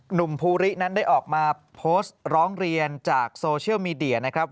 หนุ่มภูรินั้นได้ออกมาโพสต์ร้องเรียนจากโซเชียลมีเดียนะครับ